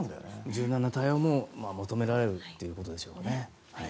柔軟な対応も求められるということでしょうね。